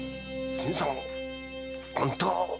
新さんあんた。